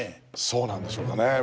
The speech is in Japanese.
そうなんでしょうかね。